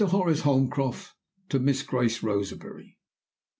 HORACE HOLMCROFT to MISS GRACE ROSEBERRY.